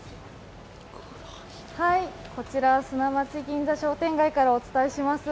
砂町銀座商店街からお伝えします。